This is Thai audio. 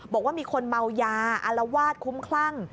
บอกว่ามีคนเมายาอารวาสคุ้มคลั่ง